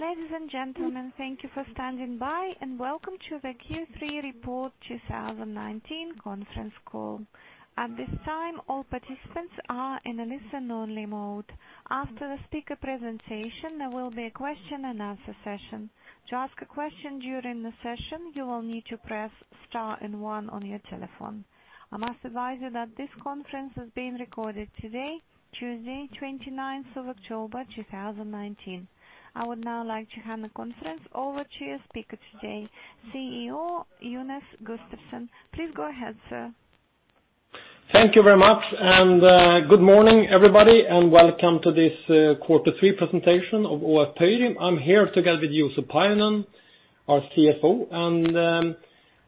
Ladies and gentlemen, thank you for standing by, and welcome to the Q3 Report 2019 Conference Call. At this time, all participants are in a listen only mode. After the speaker presentation, there will be a question and answer session. To ask a question during the session, you will need to press Star and One on your telephone. I must advise you that this conference is being recorded today, Tuesday, 29th of October 2019. I would now like to hand the conference over to your speaker today, CEO Jonas Gustavsson. Please go ahead, sir. Thank you very much, and good morning, everybody, and welcome to this Quarter Three presentation of AFRY. I'm here together with Juuso Pajunen, our CFO.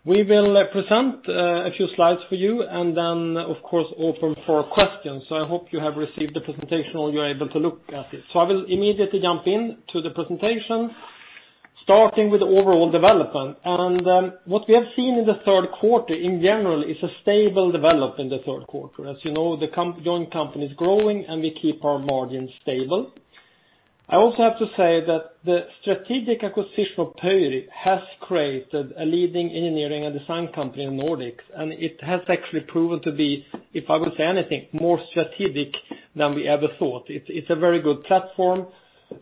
We will present a few slides for you and then, of course, open for questions. I hope you have received the presentation or you're able to look at it. I will immediately jump into the presentation, starting with overall development. What we have seen in the third quarter in general is a stable development in the third quarter. As you know, the joint company is growing, and we keep our margin stable. I also have to say that the strategic acquisition of Pöyry has created a leading engineering and design company in Nordics, and it has actually proven to be, if I would say anything, more strategic than we ever thought. It's a very good platform.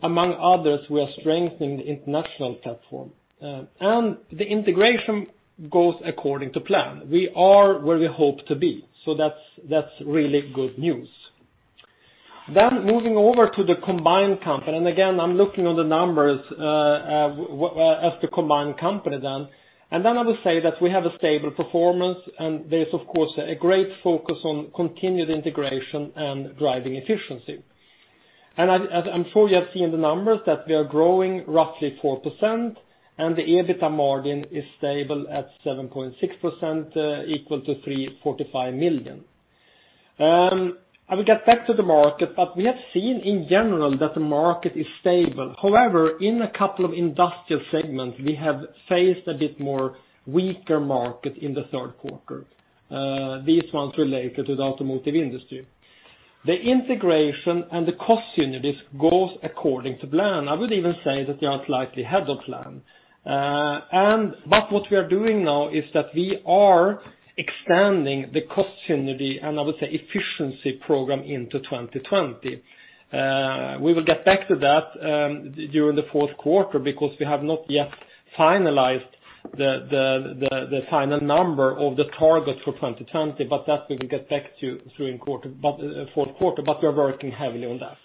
Among others, we are strengthening the international platform. The integration goes according to plan. We are where we hope to be, so that's really good news. Moving over to the combined company, again, I'm looking on the numbers as the combined company then. I would say that we have a stable performance, and there's, of course, a great focus on continued integration and driving efficiency. I'm sure you have seen the numbers that we are growing roughly 4%, and the EBITDA margin is stable at 7.6%, equal to 345 million. I will get back to the market, but we have seen in general that the market is stable. However, in a couple of industrial segments, we have faced a bit more weaker market in the third quarter. These ones related to the automotive industry. The integration and the cost synergies goes according to plan. I would even say that they are slightly ahead of plan. What we are doing now is that we are expanding the cost synergy, and I would say efficiency program into 2020. We will get back to that during the fourth quarter because we have not yet finalized the final number of the target for 2020, but that we will get back to you through in fourth quarter. We are working heavily on that.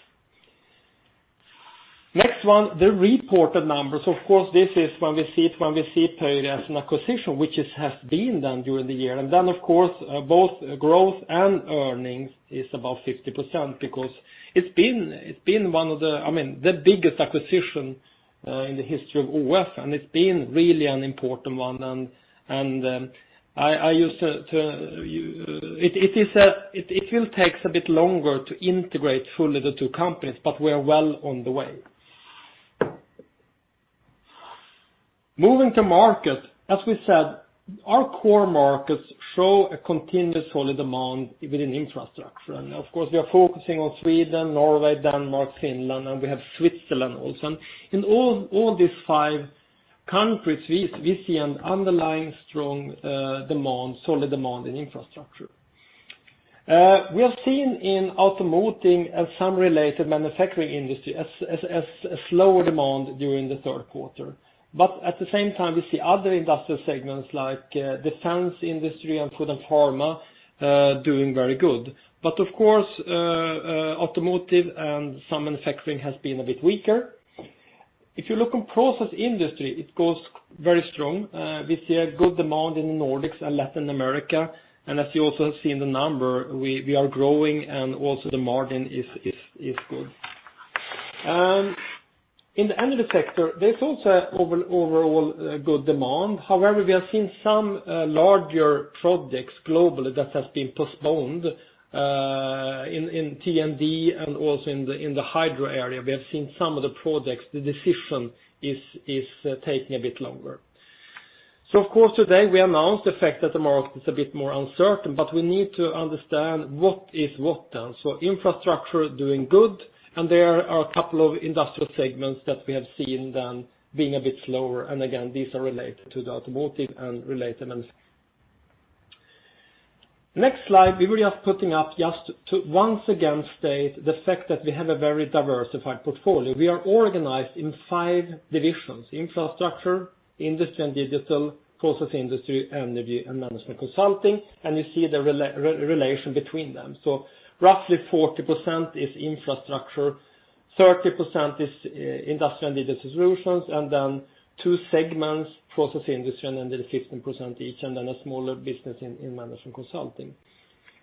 Next one, the reported numbers. Of course, this is when we see Pöyry as an acquisition, which has been done during the year. Then, of course, both growth and earnings is above 50% because it's been one of the biggest acquisition in the history of AFRY, and it's been really an important one. It will take a bit longer to integrate fully the two companies. We are well on the way. Moving to market, as we said, our core markets show a continuous solid demand within infrastructure. Of course, we are focusing on Sweden, Norway, Denmark, Finland, and we have Switzerland also. In all these five countries, we see an underlying strong demand, solid demand in infrastructure. We have seen in automotive and some related manufacturing industry a slower demand during the third quarter. At the same time, we see other industrial segments like defense industry and food and pharma doing very good. Of course, automotive and some manufacturing has been a bit weaker. If you look on process industry, it goes very strong. We see a good demand in the Nordics and Latin America. As you also have seen the number, we are growing and also the margin is good. In the energy sector, there is also overall good demand. However, we have seen some larger projects globally that has been postponed, in T&D and also in the hydro area. We have seen some of the projects, the decision is taking a bit longer. Of course, today we announced the fact that the market is a bit more uncertain, but we need to understand what is what done. Infrastructure doing good, there are a couple of industrial segments that we have seen them being a bit slower, again, these are related to the automotive and related manufacturing. Next slide, we will be putting up just to once again state the fact that we have a very diversified portfolio. We are organized in 5 divisions, infrastructure, industry and digital, process industry, energy, and management consulting, you see the relation between them. Roughly 40% is infrastructure, 30% is industry and digital solutions, and then two segments, process industry, and energy 15% each, and then a smaller business in management consulting.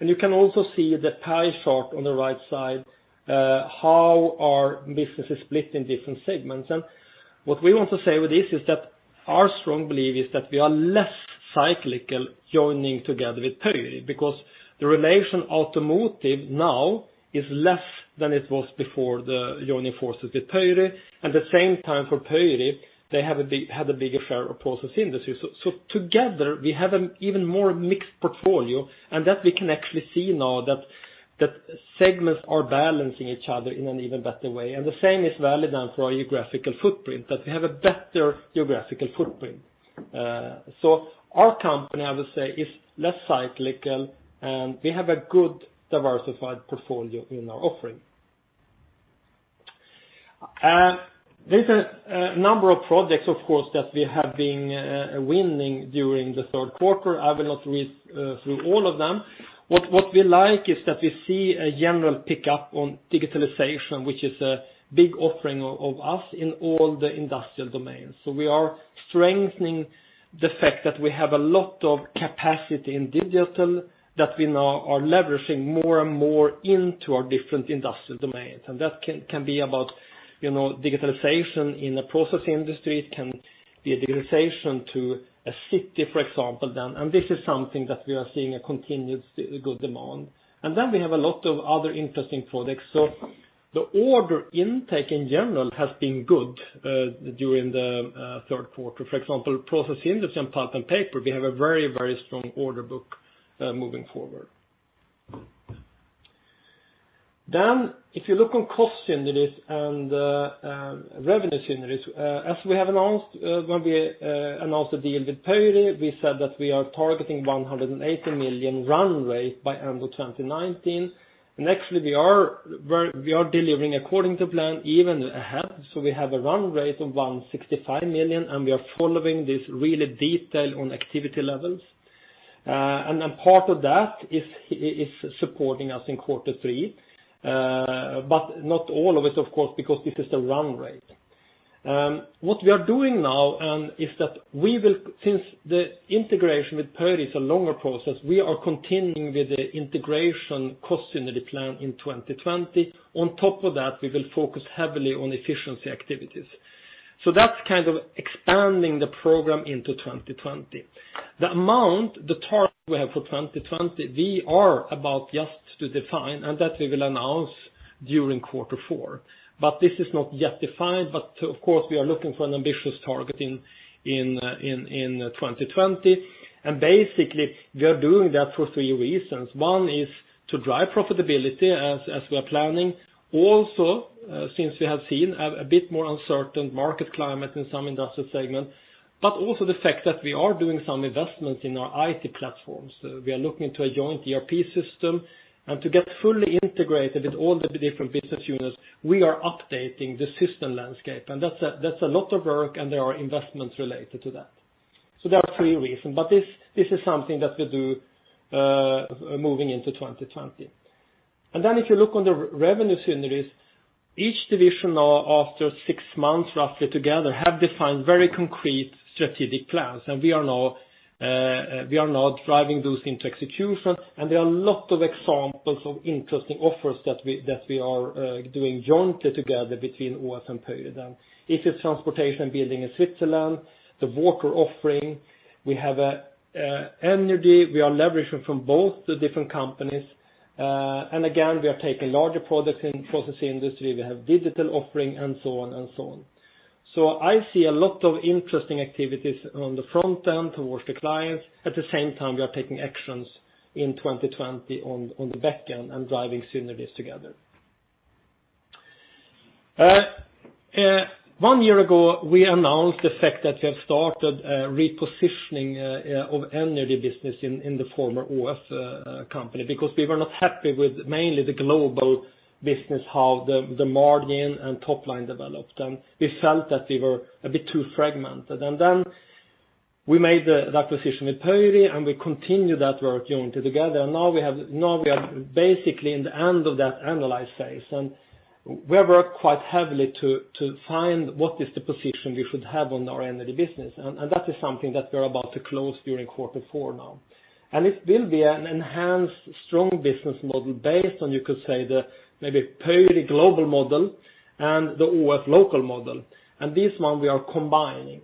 You can also see the pie chart on the right side, how our business is split in different segments. What we want to say with this is that our strong belief is that we are less cyclical joining together with Pöyry because the relation automotive now is less than it was before the joining forces with Pöyry. At the same time for Pöyry, they had a bigger share of process industry. Together, we have an even more mixed portfolio, and that we can actually see now that segments are balancing each other in an even better way. The same is valid for our geographical footprint, that we have a better geographical footprint. Our company, I would say, is less cyclical, and we have a good diversified portfolio in our offering. There's a number of projects, of course, that we have been winning during the third quarter. I will not read through all of them. What we like is that we see a general pickup on digitalization, which is a big offering of us in all the industrial domains. We are strengthening the fact that we have a lot of capacity in digital that we now are leveraging more and more into our different industrial domains. That can be about digitalization in a processing industry, it can be a digitalization to a city, for example, then, and this is something that we are seeing a continued good demand. We have a lot of other interesting products. The order intake in general has been good during the third quarter. For example, process industry and pulp and paper, we have a very strong order book moving forward. If you look on cost synergies and revenue synergies, as we have announced when we announced the deal with Pöyry, we said that we are targeting 180 million run rate by end of 2019. Actually we are delivering according to plan even ahead. We have a run rate of 165 million, and we are following this really detailed on activity levels. Part of that is supporting us in quarter three, but not all of it, of course, because this is the run rate. What we are doing now is that since the integration with Pöyry is a longer process, we are continuing with the integration cost synergy plan in 2020. On top of that, we will focus heavily on efficiency activities. That's kind of expanding the program into 2020. The amount, the target we have for 2020, we are about just to define, and that we will announce during quarter four. This is not yet defined, but of course, we are looking for an ambitious target in 2020. Basically we are doing that for three reasons. One is to drive profitability as we are planning. Also, since we have seen a bit more uncertain market climate in some industrial segments, but also the fact that we are doing some investment in our IT platforms. We are looking to a joint ERP system and to get fully integrated with all the different business units, we are updating the system landscape, and that's a lot of work, and there are investments related to that. There are three reasons, but this is something that we'll do moving into 2020. If you look on the revenue synergies, each division now after six months, roughly together, have defined very concrete strategic plans. We are now driving those into execution. There are a lot of examples of interesting offers that we are doing jointly together between ÅF and Pöyry then. If it's transportation and building in Switzerland, the water offering, we have energy we are leveraging from both the different companies. Again, we are taking larger products in processing industry. We have digital offering and so on. I see a lot of interesting activities on the front end towards the clients. At the same time, we are taking actions in 2020 on the back end and driving synergies together. One year ago, we announced the fact that we have started repositioning of energy business in the former ÅF company because we were not happy with mainly the global business, how the margin and top line developed, and we felt that we were a bit too fragmented. Then we made the acquisition with Pöyry, and we continued that work jointly together. We are basically in the end of that analyze phase, and we have worked quite heavily to find what is the position we should have on our energy business, and that is something that we're about to close during quarter four now. It will be an enhanced strong business model based on, you could say the maybe Pöyry global model and the ÅF local model, and this one we are combining.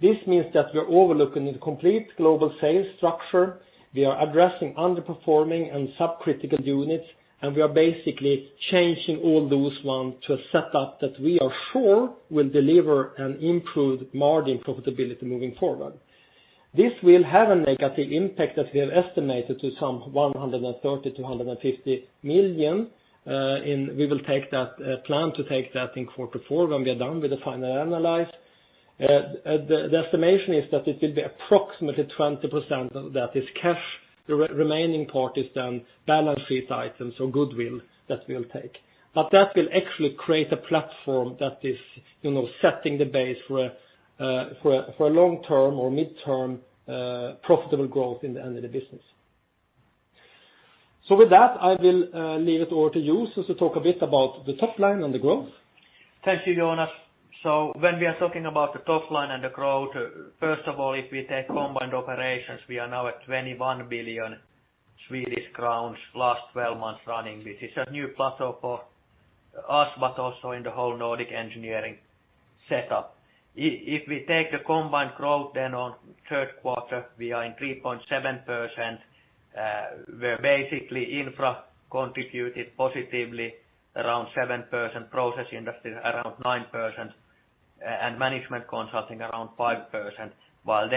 This means that we are overlooking the complete global sales structure, we are addressing underperforming and subcritical units, and we are basically changing all those ones to a setup that we are sure will deliver an improved margin profitability moving forward. This will have a negative impact that we have estimated to some 130 million to 150 million. We will plan to take that in quarter four when we are done with the final analysis. The estimation is that it will be approximately 20% that is cash. The remaining part is then balance sheet items or goodwill that we'll take. That will actually create a platform that is setting the base for a long-term or midterm profitable growth in the energy business. With that, I will leave it over to Juuso to talk a bit about the top line and the growth. Thank you, Jonas. When we are talking about the top line and the growth, first of all, if we take combined operations, we are now at 21 billion Swedish crowns last 12 months running, which is a new plateau for us, but also in the whole Nordic engineering setup. If we take the combined growth on third quarter, we are in 3.7%, where basically Infra contributed positively around 7%, Process Industry around 9%, and Management Consulting around 5%, while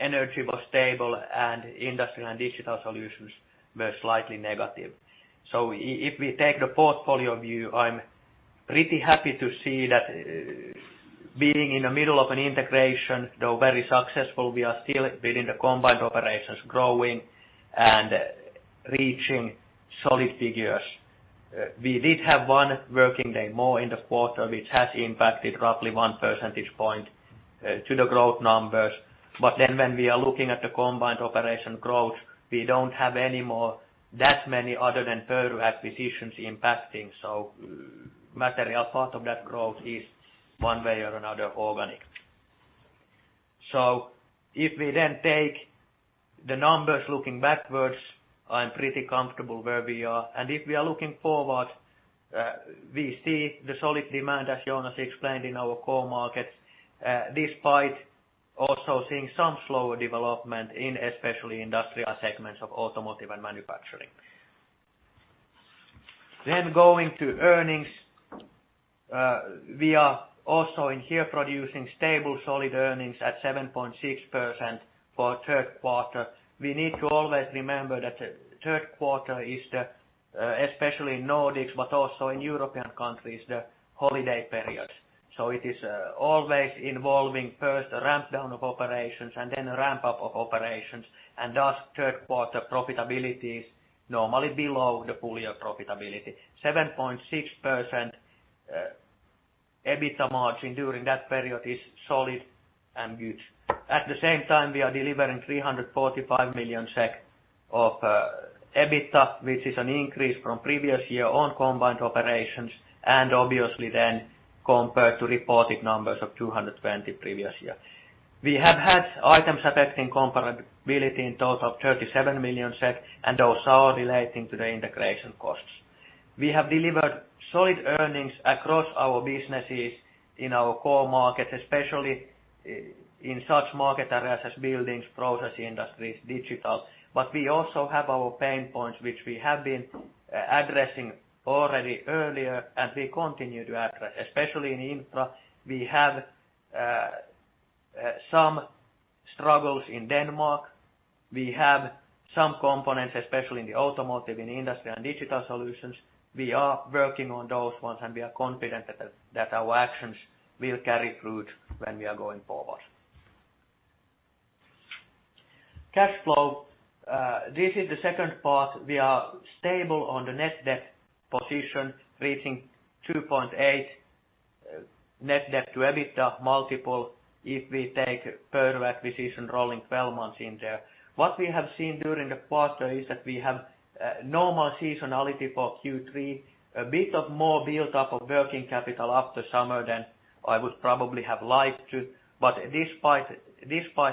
Energy was stable and Industrial and Digital Solutions were slightly negative. If we take the portfolio view, I'm pretty happy to see that being in the middle of an integration, though very successful, we are still building the combined operations, growing and reaching solid figures. We did have one working day more in the quarter, which has impacted roughly one percentage point to the growth numbers. When we are looking at the combined operation growth, we don't have any more that many other than Pöyry acquisitions impacting. Material part of that growth is one way or another organic. If we then take the numbers looking backwards, I'm pretty comfortable where we are. If we are looking forward, we see the solid demand, as Jonas explained, in our core markets, despite also seeing some slower development in especially industrial segments of automotive and manufacturing. Going to earnings. We are also in here producing stable, solid earnings at 7.6% for third quarter. We need to always remember that the third quarter is the, especially in Nordics but also in European countries, the holiday period. It is always involving first a ramp down of operations and then a ramp up of operations, and thus third quarter profitability is normally below the full year profitability. 7.6% EBITDA margin during that period is solid and good. At the same time, we are delivering 345 million SEK of EBITDA, which is an increase from previous year on combined operations, and obviously then compared to reported numbers of 220 previous year. We have had items affecting comparability in total of 37 million SEK and those are relating to the integration costs. We have delivered solid earnings across our businesses in our core markets, especially in such market areas as buildings, process industries, digital. We also have our pain points, which we have been addressing already earlier, and we continue to address, especially in infra. We have some struggles in Denmark. We have some components, especially in the automotive, in industry and digital solutions. We are working on those ones, and we are confident that our actions will carry fruit when we are going forward. Cash flow. This is the second part. We are stable on the net debt position, reaching 2.8 net debt to EBITDA multiple if we take Pöyry acquisition rolling 12 months in there. What we have seen during the quarter is that we have normal seasonality for Q3, a bit of more buildup of working capital after summer than I would probably have liked to, but despite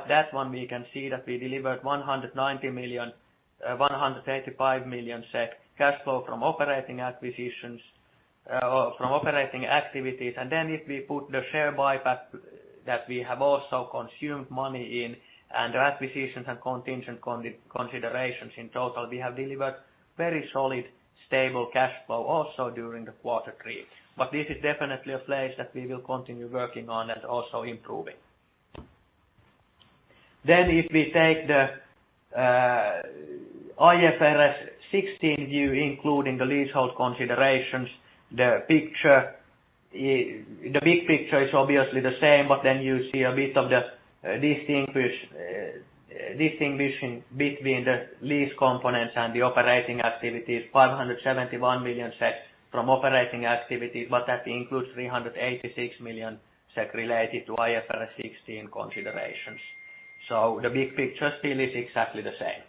that one, we can see that we delivered 190 million, 185 million SEK cash flow from operating acquisitions or from operating activities. If we put the share buyback that we have also consumed money in and acquisitions and contingent considerations in total, we have delivered very solid, stable cash flow also during the quarter three. This is definitely a place that we will continue working on and also improving. If we take the IFRS 16 view, including the leasehold considerations, the big picture is obviously the same. You see a bit of the distinguishing between the lease components and the operating activities, 571 million SEK from operating activities, but that includes 386 million SEK related to IFRS 16 considerations. The big picture still is exactly the same.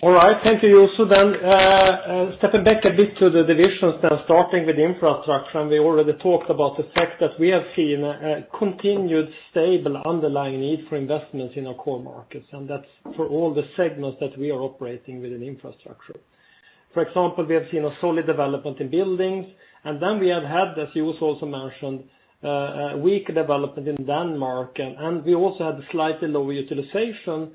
All right. Thank you, Juuso. Stepping back a bit to the divisions then starting with Infrastructure, and we already talked about the fact that we have seen a continued stable underlying need for investments in our core markets, and that's for all the segments that we are operating within Infrastructure. For example, we have seen a solid development in buildings, and then we have had, as Juuso also mentioned, a weak development in Denmark, and we also had a slightly lower utilization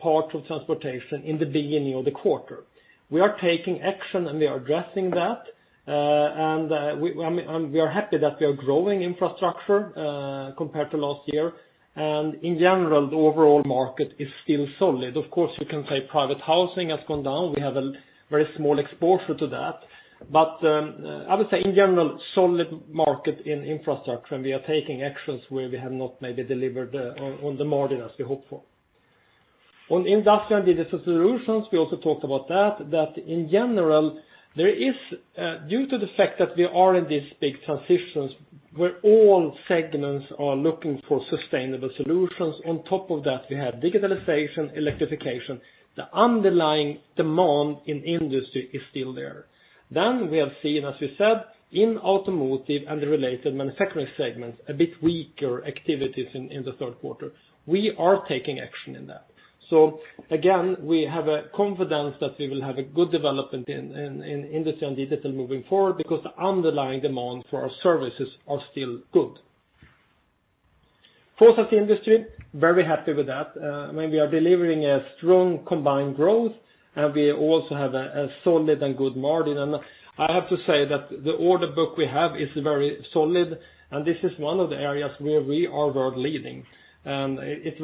part of transportation in the beginning of the quarter. We are taking action, and we are addressing that. We are happy that we are growing Infrastructure compared to last year. In general, the overall market is still solid. Of course, we can say private housing has gone down. We have a very small exposure to that. I would say in general, solid market in infrastructure, and we are taking actions where we have not maybe delivered on the margin as we hoped for. On Industrial and Digital Solutions, we also talked about that in general, due to the fact that we are in these big transitions where all segments are looking for sustainable solutions, on top of that, we have digitalization, electrification. The underlying demand in industry is still there. We have seen, as we said, in automotive and the related manufacturing segments, a bit weaker activities in the third quarter. We are taking action in that. Again, we have a confidence that we will have a good development in industry and digital moving forward because the underlying demand for our services are still good. Process industry, very happy with that. We are delivering a strong combined growth, and we also have a solid and good margin. I have to say that the order book we have is very solid, and this is one of the areas where we are world leading. It's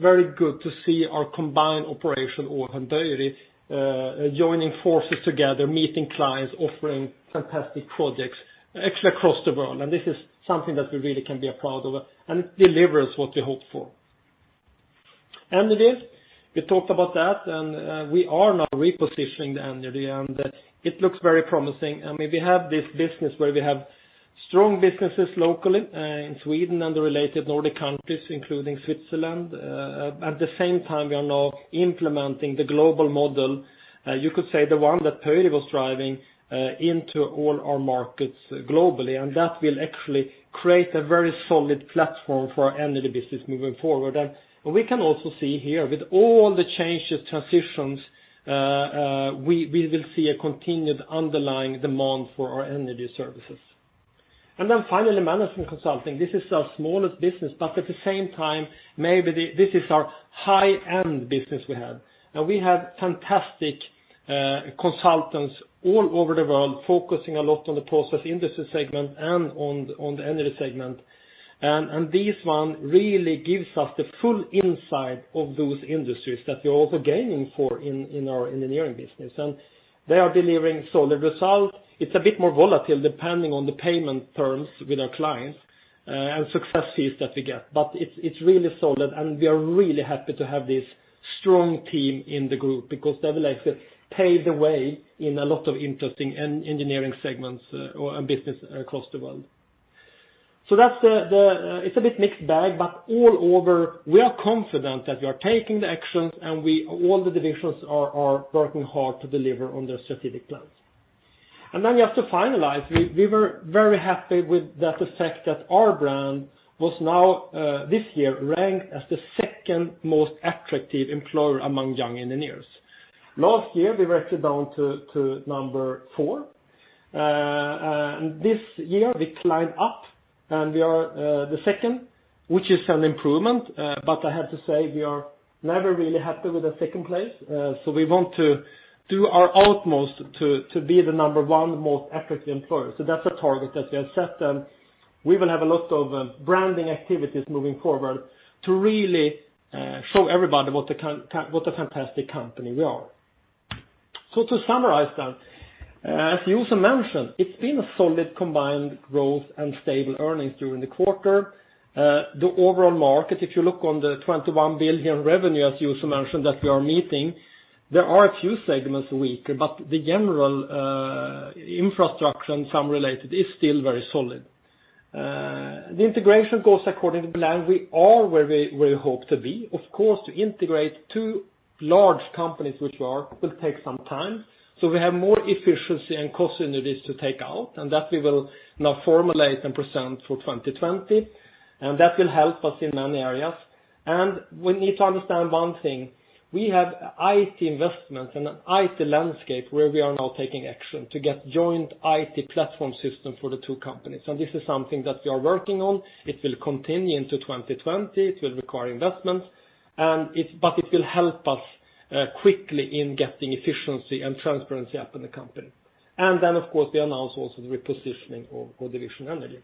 very good to see our combined operation, ÅF and Pöyry, joining forces together, meeting clients, offering fantastic projects, actually across the world. This is something that we really can be proud of, and it delivers what we hope for. Energy, we talked about that. We are now repositioning the energy, and it looks very promising. We have this business where we have strong businesses locally in Sweden and the related Nordic countries, including Switzerland. At the same time, we are now implementing the global model, you could say the one that Pöyry was driving, into all our markets globally. That will actually create a very solid platform for our Energy business moving forward. We can also see here with all the changes, transitions, we will see a continued underlying demand for our Energy services. Finally, Management Consulting. This is our smallest business, but at the same time, maybe this is our high-end business we have. We have fantastic consultants all over the world focusing a lot on the Process Industry segment and on the Energy segment. This one really gives us the full insight of those industries that we are also gaining for in our Engineering business. They are delivering solid result. It's a bit more volatile depending on the payment terms with our clients, and success fees that we get. It's really solid, and we are really happy to have this strong team in the group because they will actually pave the way in a lot of interesting engineering segments or business across the world. It's a bit mixed bag, but all over, we are confident that we are taking the actions, and all the divisions are working hard to deliver on their strategic plans. Then we have to finalize, we were very happy with that fact that our brand was now, this year, ranked as the second most attractive employer among young engineers. Last year, we were actually down to number four. This year we climbed up, and we are the second, which is an improvement. I have to say, we are never really happy with the second place. We want to do our utmost to be the number one most attractive employer. That's a target that we have set, and we will have a lot of branding activities moving forward to really show everybody what a fantastic company we are. To summarize then, as Juuso mentioned, it's been a solid combined growth and stable earnings during the quarter. The overall market, if you look on the 21 billion revenue, as Juuso mentioned, that we are meeting, there are a few segments weak, but the general infrastructure and some related is still very solid. The integration goes according to plan. We are where we hope to be. Of course, to integrate two large companies, which we are, will take some time. We have more efficiency and cost synergies to take out, and that we will now formulate and present for 2020, and that will help us in many areas. We need to understand one thing. We have IT investments and an IT landscape where we are now taking action to get joint IT platform system for the two companies. This is something that we are working on. It will continue into 2020. It will require investments. It will help us quickly in getting efficiency and transparency up in the company. Then, of course, we announced also the repositioning of Division Energy.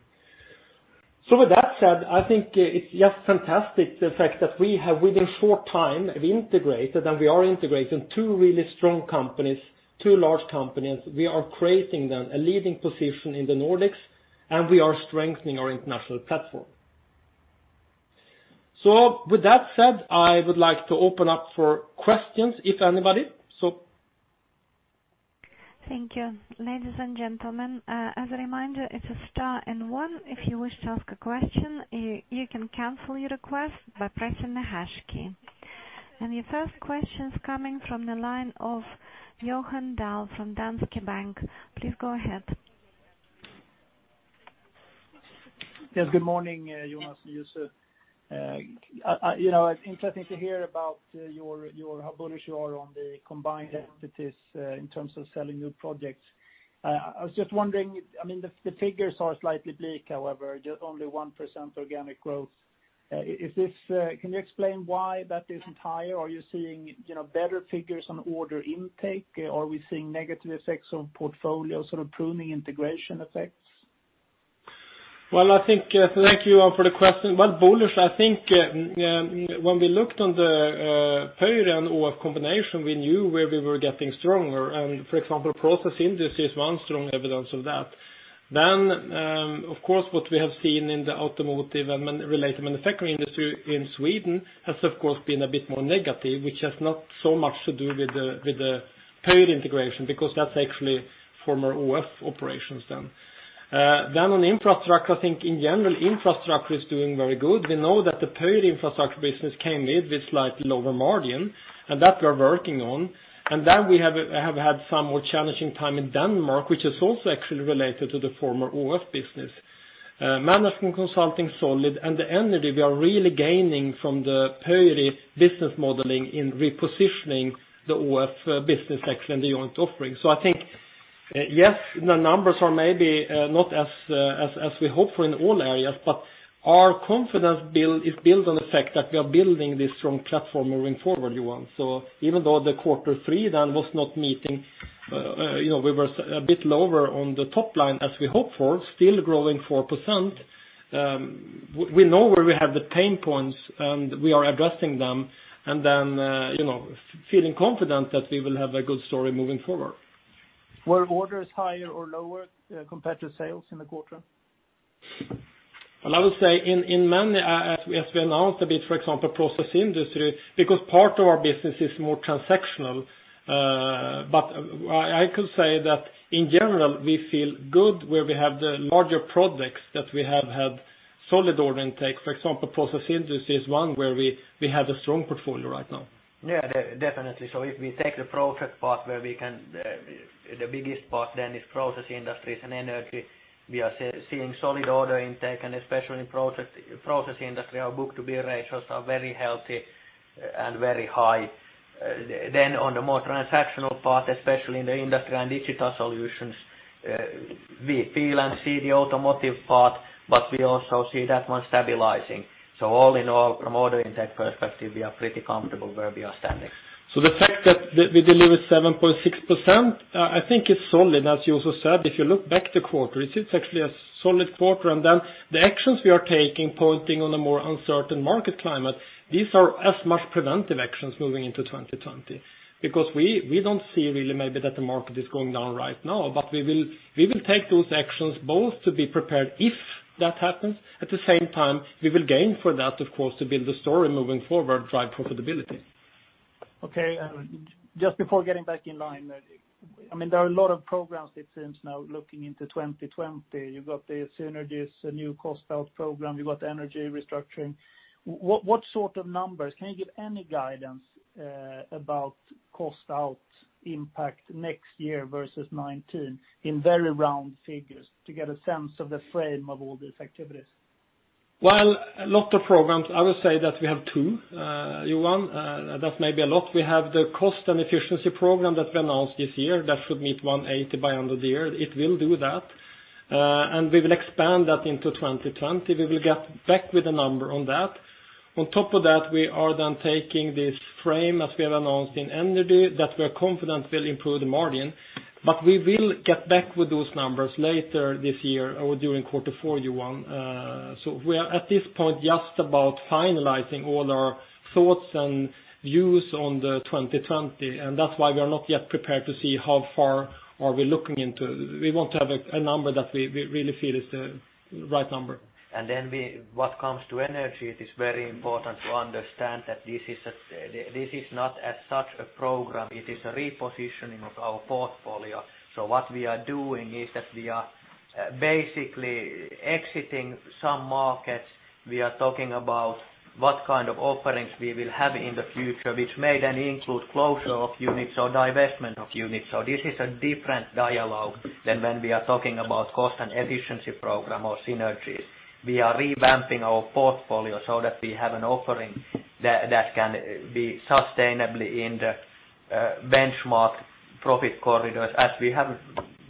With that said, I think it's just fantastic the fact that we have, within short time, we integrated, and we are integrating two really strong companies, two large companies. We are creating them a leading position in the Nordics, and we are strengthening our international platform. With that said, I would like to open up for questions if anybody. Thank you. Ladies and gentlemen, as a reminder, it's a star and one if you wish to ask a question. You can cancel your request by pressing the hash key. Your first question's coming from the line of Johan Dahl from Danske Bank. Please go ahead. Yes, good morning, Jonas and Juuso. Interesting to hear about how bullish you are on the combined entities in terms of selling new projects. I was just wondering, the figures are slightly bleak, however, only 1% organic growth. Can you explain why that isn't higher? Are you seeing better figures on order intake? Are we seeing negative effects on portfolio, sort of pruning integration effects? Well, thank you, Johan, for the question. Well, bullish, I think when we looked on the Pöyry and ÅF combination, we knew where we were getting stronger. For example, process industry is one strong evidence of that. Of course, what we have seen in the automotive and related manufacturing industry in Sweden has, of course, been a bit more negative, which has not so much to do with the Pöyry integration because that's actually former ÅF operations then. On infrastructure, I think in general, infrastructure is doing very good. We know that the Pöyry infrastructure business came in with slightly lower margin, and that we're working on. Then we have had some more challenging time in Denmark, which is also actually related to the former ÅF business. Management consulting, solid, and the energy, we are really gaining from the Pöyry business modeling in repositioning the ÅF business actually and the joint offering. I think. Yes, the numbers are maybe not as we hope for in all areas, but our confidence is built on the fact that we are building this strong platform moving forward, Johan. Even though the quarter three then was not meeting, we were a bit lower on the top line as we hope for, still growing 4%. We know where we have the pain points, and we are addressing them, and then feeling confident that we will have a good story moving forward. Were orders higher or lower compared to sales in the quarter? I would say in many, as we announced a bit, for example process industry, because part of our business is more transactional. I could say that in general, we feel good where we have the larger projects that we have had solid order intake. For example, process industry is one where we have a strong portfolio right now. Yeah, definitely. If we take the process part, the biggest part then is process industries and energy. We are seeing solid order intake, and especially in process industry, our book-to-bill ratios are very healthy and very high. On the more transactional part, especially in the industry and digital solutions, we feel and see the automotive part, but we also see that one stabilizing. All in all, from order intake perspective, we are pretty comfortable where we are standing. The fact that we delivered 7.6%, I think it's solid. As you also said, if you look back the quarter, it is actually a solid quarter. The actions we are taking pointing on a more uncertain market climate, these are as much preventive actions moving into 2020. We don't see really maybe that the market is going down right now. We will take those actions both to be prepared if that happens. At the same time, we will gain for that, of course, to build the story moving forward, drive profitability. Okay. Just before getting back in line, there are a lot of programs it seems now looking into 2020. You've got the synergies, new cost out program, you got energy restructuring. What sort of numbers? Can you give any guidance about cost out impact next year versus 2019 in very round figures to get a sense of the frame of all these activities? Well, a lot of programs, I would say that we have two, Johan. That may be a lot. We have the cost and efficiency program that we announced this year that should meet 180 by end of the year. It will do that. We will expand that into 2020. We will get back with a number on that. On top of that, we are then taking this frame, as we have announced in Energy, that we are confident will improve the margin. We will get back with those numbers later this year or during quarter four, Johan. We are at this point just about finalizing all our thoughts and views on the 2020, and that's why we are not yet prepared to see how far are we looking into. We want to have a number that we really feel is the right number. What comes to energy, it is very important to understand that this is not as such a program. It is a repositioning of our portfolio. What we are doing is that we are basically exiting some markets. We are talking about what kind of offerings we will have in the future, which may then include closure of units or divestment of units. This is a different dialogue than when we are talking about cost and efficiency program or synergies. We are revamping our portfolio so that we have an offering that can be sustainably in the benchmark profit corridors as we have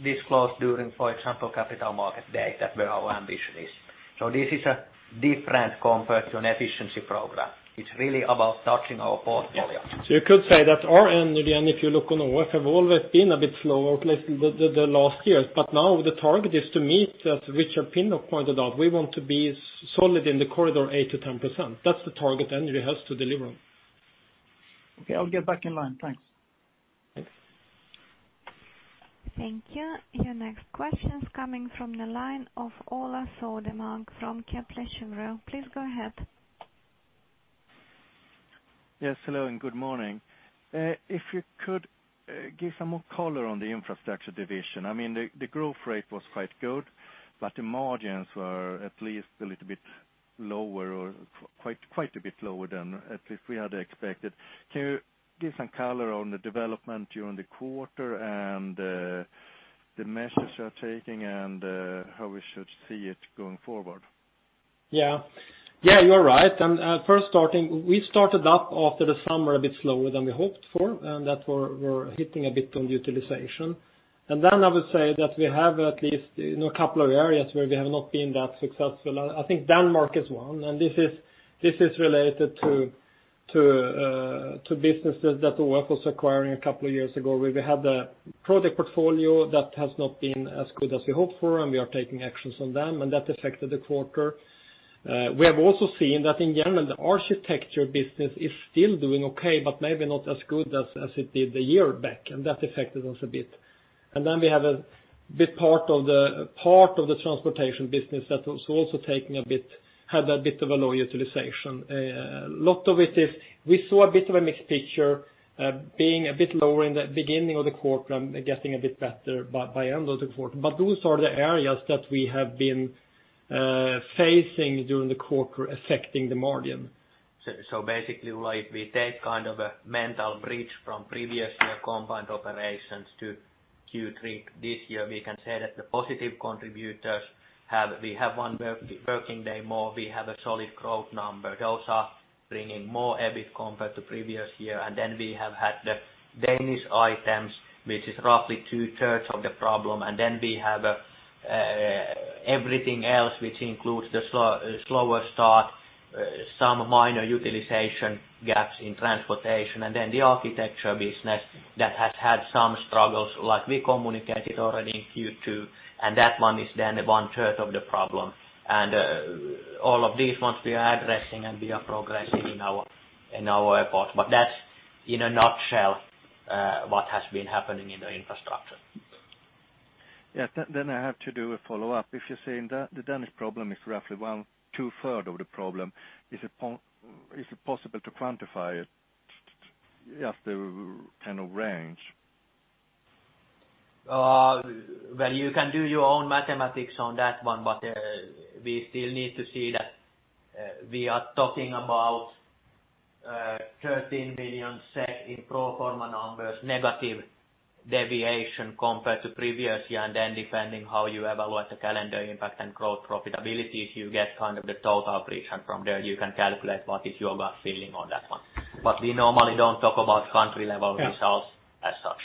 disclosed during, for example, Capital Market Day, that where our ambition is. This is different compared to an efficiency program. It's really about touching our portfolio. You could say that our energy, and if you look on the web, have always been a bit slower the last years. Now the target is to meet, as Richard Pinnock pointed out, we want to be solid in the corridor 8%-10%. That's the target energy has to deliver on. Okay, I'll get back in line. Thanks. Thanks. Thank you. Your next question is coming from the line of Ola Södermark from Kepler Cheuvreux. Please go ahead. Yes, hello and good morning. If you could give some more color on the infrastructure division. The growth rate was quite good, but the margins were at least a little bit lower or quite a bit lower than at least we had expected. Can you give some more color on the development during the quarter and the measures you are taking and how we should see it going forward? Yeah. You're right. First starting, we started up after the summer a bit slower than we hoped for, and that we're hitting a bit on utilization. I would say that we have at least a couple of areas where we have not been that successful. I think Denmark is one, and this is related to businesses that AFRY was acquiring a couple of years ago, where we had the project portfolio that has not been as good as we hoped for, and we are taking actions on them, and that affected the quarter. We have also seen that in general, the architecture business is still doing okay, but maybe not as good as it did a year back, and that affected us a bit. we have a bit part of the transportation business that was also taking a bit, had a bit of a low utilization. A lot of it is we saw a bit of a mixed picture being a bit lower in the beginning of the quarter and getting a bit better by end of the quarter. those are the areas that we have been facing during the quarter affecting the margin. Basically, if we take a mental bridge from previous year combined operations to Q3 this year, we can say that the positive contributors, we have one working day more, we have a solid growth number. Those are bringing more EBIT compared to previous year, and then we have had the Danish items, which is roughly two-thirds of the problem. We have everything else, which includes the slower start, some minor utilization gaps in transportation, and then the architecture business that has had some struggles like we communicated already in Q2, and that one is then one-third of the problem. All of these ones we are addressing and we are progressing in our reports. That's in a nutshell what has been happening in the infrastructure. Yes. I have to do a follow-up. If you're saying the Danish problem is roughly two-third of the problem, is it possible to quantify it? Just a kind of range. Well, you can do your own mathematics on that one, but we still need to see that we are talking about 13 billion in pro forma numbers, negative deviation compared to previous year, and then depending how you evaluate the calendar impact and growth profitability, you get the total picture from there, you can calculate what is your feeling on that one. We normally don't talk about country-level results as such.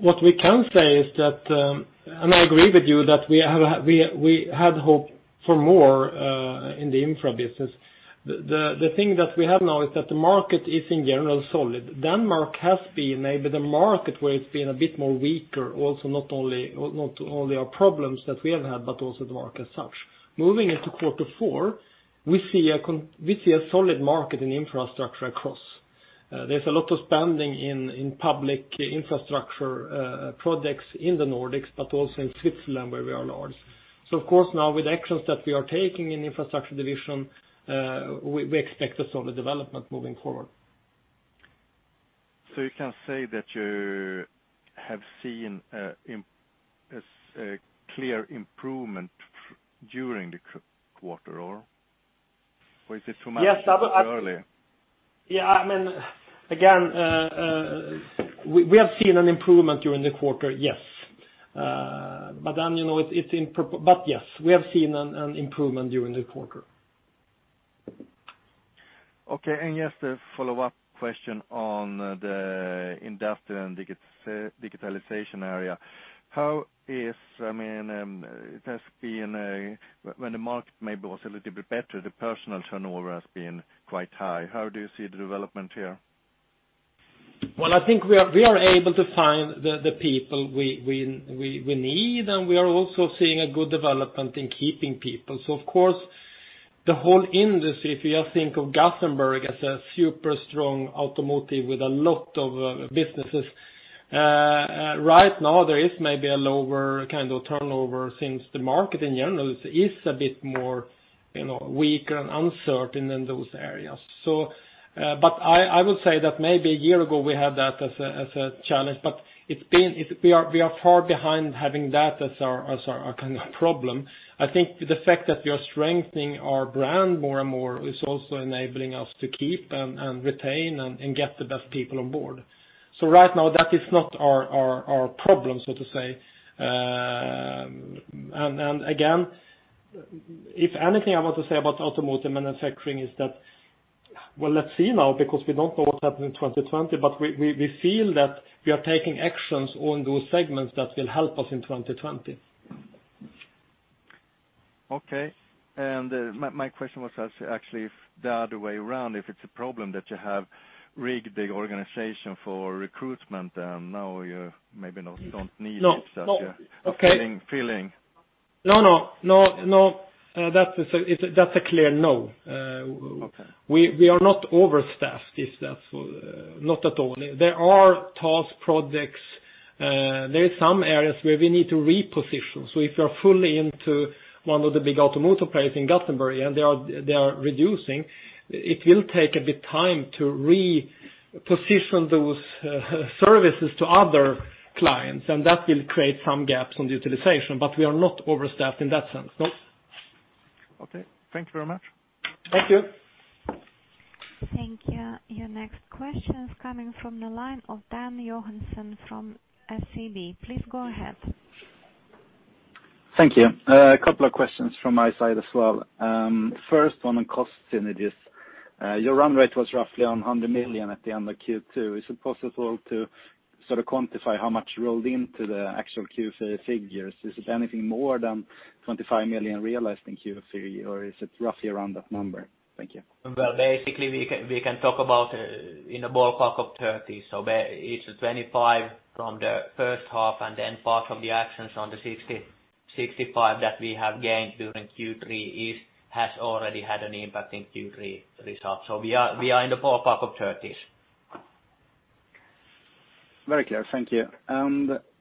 What we can say is that, and I agree with you, that we had hoped for more in the infra business. The thing that we have now is that the market is in general solid. Denmark has been maybe the market where it's been a bit more weaker, also not only our problems that we have had, but also the market as such. Moving into quarter four, we see a solid market in infrastructure across. There's a lot of spending in public infrastructure projects in the Nordics, but also in Switzerland where we are large. Of course, now with actions that we are taking in infrastructure division, we expect a solid development moving forward. You can say that you have seen a clear improvement during the quarter, or is it too much too early? Again, we have seen an improvement during the quarter, yes. Yes, we have seen an improvement during the quarter. Okay. Just a follow-up question on the industrial and digitalization area. When the market maybe was a little bit better, the personnel turnover has been quite high. How do you see the development here? Well, I think we are able to find the people we need, and we are also seeing a good development in keeping people. Of course, the whole industry, if you think of Gothenburg as a super strong automotive with a lot of businesses. Right now, there is maybe a lower kind of turnover since the market in general is a bit more weaker and uncertain in those areas. I would say that maybe a year ago, we had that as a challenge, but we are far behind having that as our kind of problem. I think the fact that we are strengthening our brand more and more is also enabling us to keep and retain and get the best people on board. Right now, that is not our problem, so to say. again, if anything I want to say about automotive manufacturing is that, well, let's see now because we don't know what's happening in 2020, but we feel that we are taking actions on those segments that will help us in 2020. Okay. My question was actually if the other way around, if it's a problem that you have rigged the organization for recruitment and now you maybe don't need it- No. that feeling. No. That's a clear no. Okay. We are not overstaffed, not at all. There are task projects. There are some areas where we need to reposition. If you're fully into one of the big automotive players in Gothenburg and they are reducing, it will take a bit time to reposition those services to other clients, and that will create some gaps on utilization, but we are not overstaffed in that sense. No. Okay. Thank you very much. Thank you. Thank you. Your next question is coming from the line of Dan Johansson from SEB. Please go ahead. Thank you. A couple of questions from my side as well. First, on cost synergies. Your run rate was roughly on 100 million at the end of Q2. Is it possible to quantify how much rolled into the actual Q3 figures? Is it anything more than 25 million realized in Q3, or is it roughly around that number? Thank you. Well, basically, we can talk about in a ballpark of 30. It's 25 from the first half, and then part from the actions on the 65 that we have gained during Q3 has already had an impact in Q3 results. We are in the ballpark of 30s. Very clear. Thank you.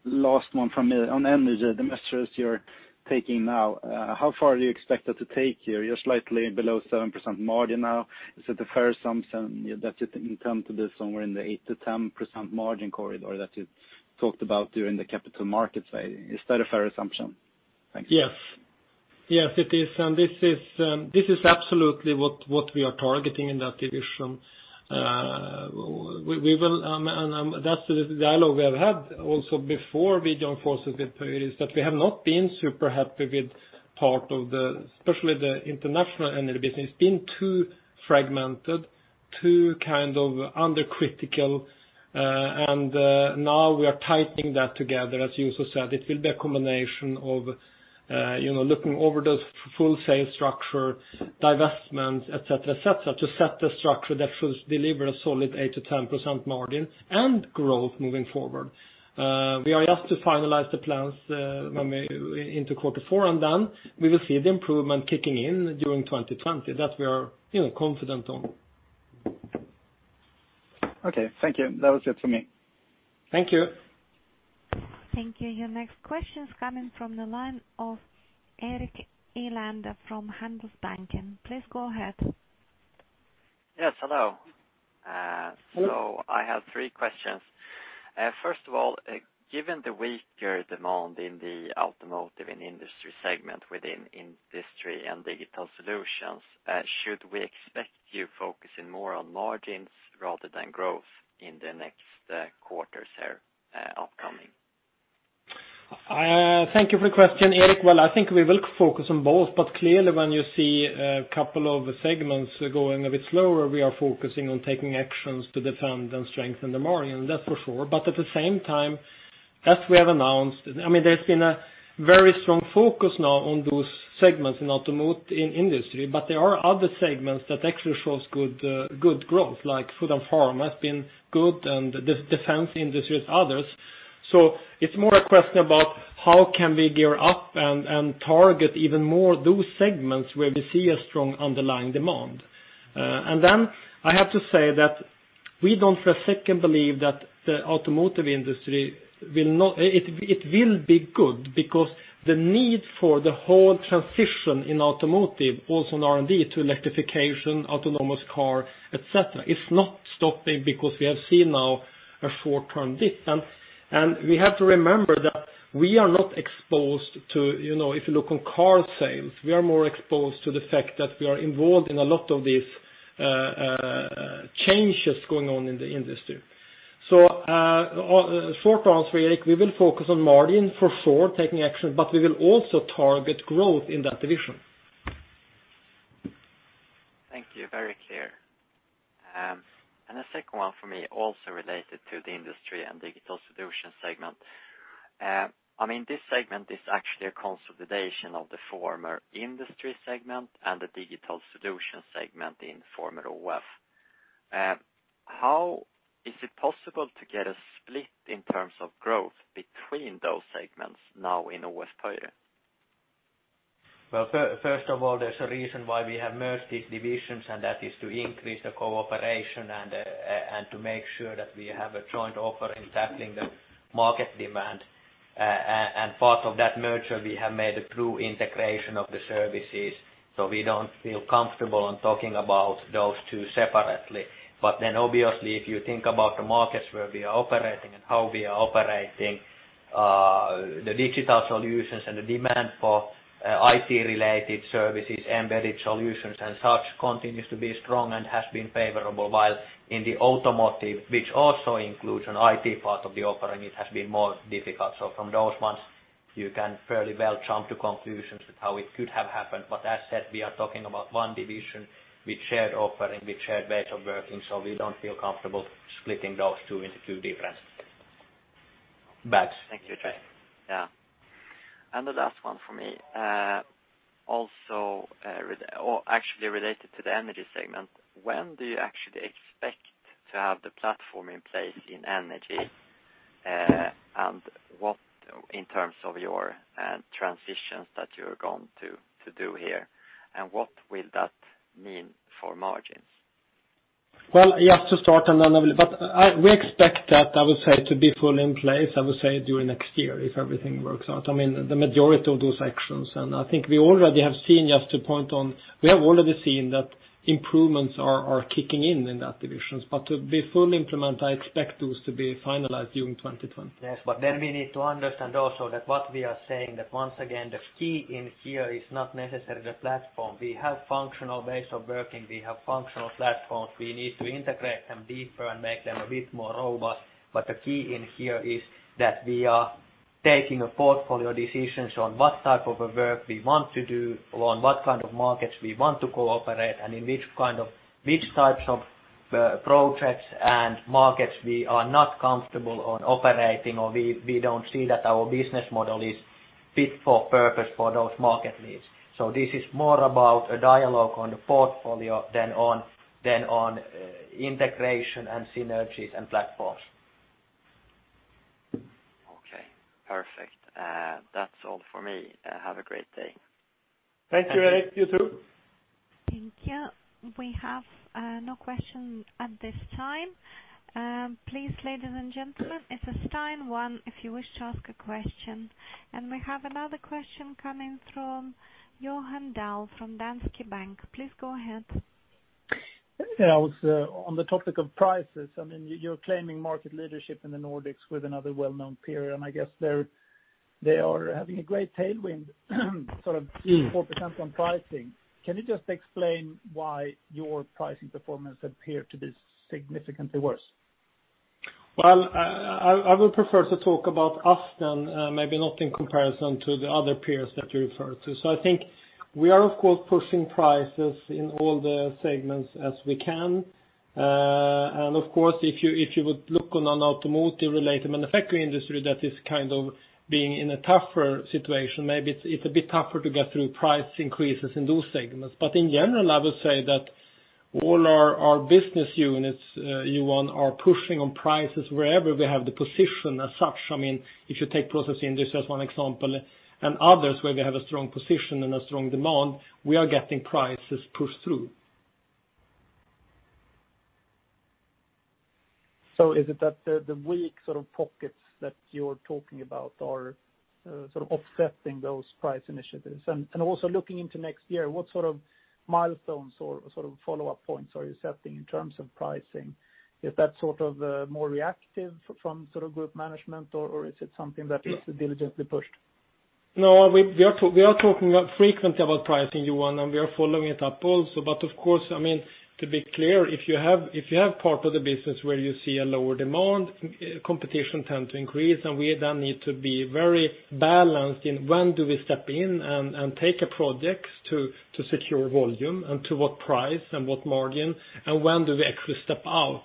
Last one from me. On energy, the measures you're taking now, how far are you expected to take here? You're slightly below 7% margin now. Is it a fair assumption that it can come to be somewhere in the 8 to 10% margin corridor that you talked about during the Capital Market Day? Is that a fair assumption? Thank you. Yes, yes, it is. This is absolutely what we are targeting in that division. That's the dialogue we have had also before we joined forces with Pöyry, is that we have not been super happy with part of the, especially the international energy business. Been too fragmented, too under critical, and now we are tightening that together, as Juuso said. It will be a combination of looking over the full sales structure, divestments, et cetera, to set the structure that should deliver a solid 8%-10% margin and growth moving forward. We are yet to finalize the plans into quarter four, and then we will see the improvement kicking in during 2020. That we are confident on. Okay. Thank you. That was it for me. Thank you. Thank you. Your next question is coming from the line of Eric Elander from Handelsbanken. Please go ahead. Yes, hello. I have three questions. First of all, given the weaker demand in the automotive and industry segment within industry and digital solutions, should we expect you focusing more on margins rather than growth in the next quarters here upcoming? Thank you for your question, Eric. Well, I think we will focus on both, but clearly when you see a couple of segments going a bit slower, we are focusing on taking actions to defend and strengthen the margin, that's for sure. At the same time, as we have announced, there's been a very strong focus now on those segments in industry, but there are other segments that actually shows good growth, like food and farm has been good, and defense industry with others. It's more a question about how can we gear up and target even more those segments where we see a strong underlying demand. I have to say that we don't for a second believe that the automotive industry will be good because the need for the whole transition in automotive, also in R&D to electrification, autonomous car, et cetera, is not stopping because we have seen now a short-term dip. We have to remember that we are not exposed to, if you look on car sales, we are more exposed to the fact that we are involved in a lot of these changes going on in the industry. Short answer, Eric, we will focus on margin for sure, taking action, but we will also target growth in that division. Thank you. Very clear. The second one for me, also related to the industry and digital solutions segment. This segment is actually a consolidation of the former industry segment and the digital solution segment in former ÅF. How is it possible to get a split in terms of growth between those segments now in ÅF Pöyry? Well, first of all, there's a reason why we have merged these divisions, and that is to increase the cooperation and to make sure that we have a joint offer in tackling the market demand. Part of that merger, we have made a true integration of the services. We don't feel comfortable in talking about those two separately. Obviously, if you think about the markets where we are operating and how we are operating, the digital solutions and the demand for IT-related services, embedded solutions and such continues to be strong and has been favorable. While in the automotive, which also includes an IT part of the offering, it has been more difficult. From those ones, you can fairly well jump to conclusions with how it could have happened. as said, we are talking about one division with shared offering, with shared ways of working, so we don't feel comfortable splitting those two into two different bags. Thank you. Yeah. The last one for me, actually related to the energy segment. When do you actually expect to have the platform in place in energy? In terms of your transitions that you're going to do here, and what will that mean for margins? Well, yes, to start, we expect that, I would say, to be fully in place, I would say, during next year if everything works out. The majority of those actions, and I think we already have seen, just to point on, we have already seen that improvements are kicking in in that division. To be fully implement, I expect those to be finalized during 2020. Yes. we need to understand also that what we are saying that once again, the key in here is not necessarily the platform. We have functional ways of working. We have functional platforms. We need to integrate them deeper and make them a bit more robust. the key in here is that we are taking a portfolio decisions on what type of a work we want to do or on what kind of markets we want to cooperate, and in which types of projects and markets we are not comfortable on operating or we don't see that our business model is fit for purpose for those market needs. this is more about a dialogue on the portfolio than on integration and synergies and platforms. Okay. Perfect. That's all for me. Have a great day. Thank you, Eric. You too. Thank you. We have no questions at this time. Please, ladies and gentlemen, it's a *1 if you wish to ask a question. We have another question coming from Johan Dahl from Danske Bank. Please go ahead. On the topic of prices, you're claiming market leadership in the Nordics with another well-known peer, and I guess they are having a great tailwind, sort of 4% on pricing. Can you just explain why your pricing performance appear to be significantly worse? Well, I would prefer to talk about us then maybe not in comparison to the other peers that you refer to. I think we are, of course, pushing prices in all the segments as we can. Of course, if you would look on an automotive-related manufacturing industry that is being in a tougher situation, maybe it's a bit tougher to get through price increases in those segments. In general, I would say that all our business units, Johan, are pushing on prices wherever we have the position as such. If you take processing industry as one example and others where we have a strong position and a strong demand, we are getting prices pushed through. is it that the weak sort of pockets that you're talking about are sort of offsetting those price initiatives? also looking into next year, what sort of milestones or follow-up points are you setting in terms of pricing? Is that more reactive from group management, or is it something that is diligently pushed? No, we are talking frequently about pricing, Johan, and we are following it up also. Of course, to be clear, if you have part of the business where you see a lower demand, competition tends to increase, and we then need to be very balanced in when do we step in and take a project to secure volume, and to what price and what margin, and when do we actually step out.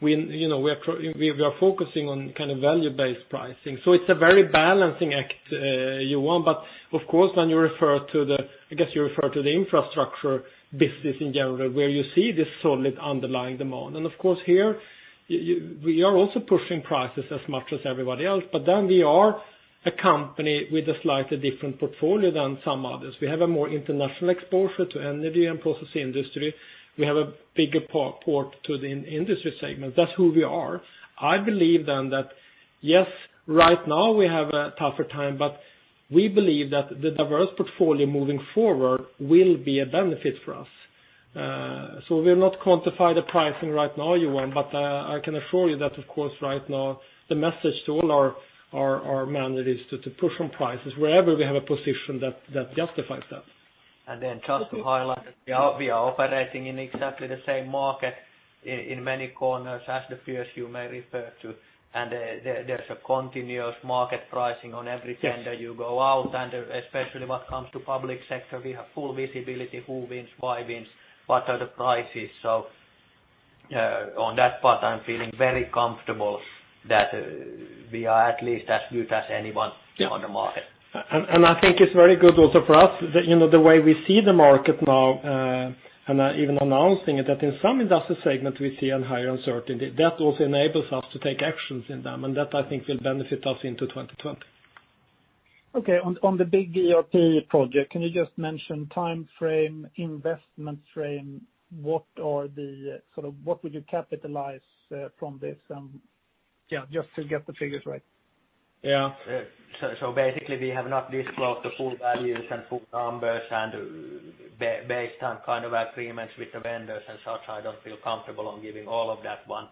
We are focusing on value-based pricing. It's a very balancing act, Johan. Of course, when you refer to the infrastructure business in general, where you see this solid underlying demand. Of course, here, we are also pushing prices as much as everybody else, but then we are a company with a slightly different portfolio than some others. We have a more international exposure to energy and process industry. We have a bigger part to the industry segment. That's who we are. I believe then that, yes, right now we have a tougher time, but we believe that the diverse portfolio moving forward will be a benefit for us. We'll not quantify the pricing right now, Johan, but I can assure you that of course right now, the message to all our managers to push on prices wherever we have a position that justifies that. just to highlight that we are operating in exactly the same market in many corners as the peers you may refer to, and there's a continuous market pricing on every tender you go out under. Especially when it comes to public sector, we have full visibility. Who wins, why wins, what are the prices. On that part, I'm feeling very comfortable that we are at least as good as anyone on the market. I think it's very good also for us, the way we see the market now, and even announcing it, that in some industry segments, we see a higher uncertainty. That also enables us to take actions in them, and that, I think, will benefit us into 2020. On the big ERP project, can you just mention timeframe, investment frame? What would you capitalize from this and yeah, just to get the figures right. Yeah. basically, we have not disclosed the full values and full numbers, and based on kind of agreements with the vendors and such, I don't feel comfortable on giving all of that one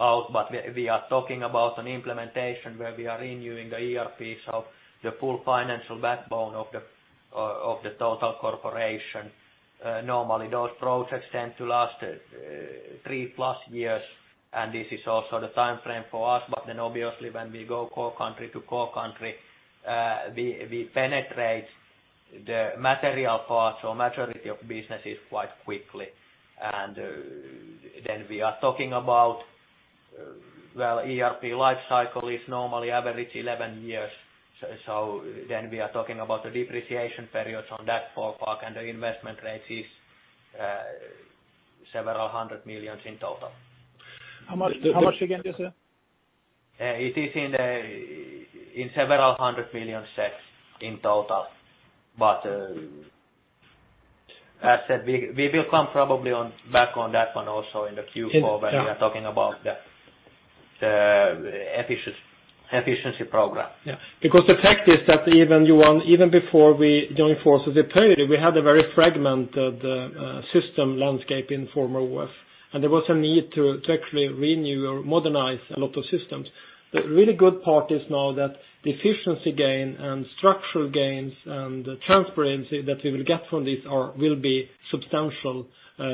out. we are talking about an implementation where we are renewing the ERP, so the full financial backbone of the total corporation. Normally, those projects tend to last three-plus years, and this is also the timeframe for us. obviously when we go core country to core country, we penetrate the material parts or majority of businesses quite quickly. we are talking about, well, ERP life cycle is normally average 11 years. we are talking about the depreciation periods on that full part, and the investment rate is several hundred millions in total. How much again, Juuso It is in several hundred million sets in total. As said, we will come probably back on that one also in the Q4 when we are talking about the efficiency program. Yeah. Because the fact is that even, Johan, even before we joined forces with Pöyry, we had a very fragmented system landscape in former ÅF, and there was a need to actually renew or modernize a lot of systems. The really good part is now that the efficiency gain and structural gains and the transparency that we will get from this will be substantial,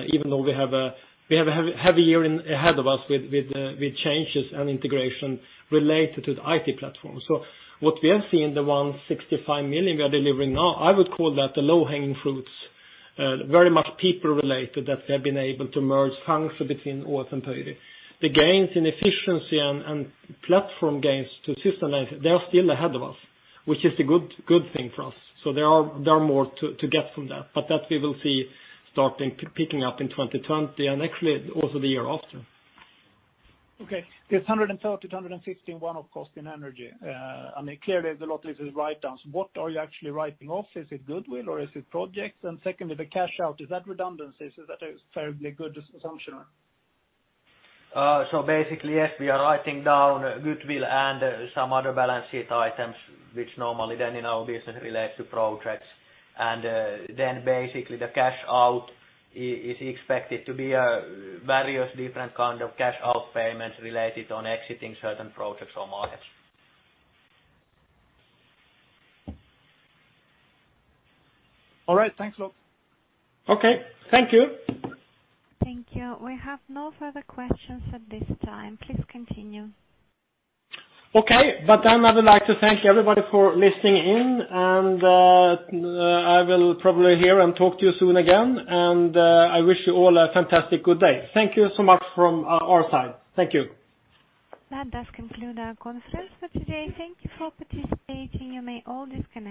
even though we have a heavy year ahead of us with changes and integration related to the IT platform. What we are seeing, the 165 million we are delivering now, I would call that the low-hanging fruits, very much people-related that they've been able to merge functions between ÅF and Pöyry. The gains in efficiency and platform gains to system length, they are still ahead of us, which is a good thing for us. There are more to get from that. that we will see starting picking up in 2020 and actually also the year after. Okay. There's 130-150 in one-off cost in Energy. Clearly there's a lot of these write-downs. What are you actually writing off? Is it goodwill or is it projects? Second, the cash-out, is that redundancies? Is that a fairly good assumption? Basically, yes, we are writing down goodwill and some other balance sheet items, which normally then in our business relates to projects. Basically the cash-out is expected to be various different kind of cash-out payments related on exiting certain projects or markets. All right. Thanks a lot. Okay. Thank you. Thank you. We have no further questions at this time. Please continue. Okay. I would like to thank everybody for listening in, and I will probably hear and talk to you soon again, and I wish you all a fantastic good day. Thank you so much from our side. Thank you. That does conclude our conference for today. Thank you for participating. You may all disconnect.